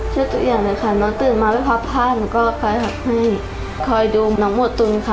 ช่วยทุกอย่างเลยค่ะน้องตื่นมาไปพักผ้าแล้วก็คอยดูน้องหมดตุ้นค่ะ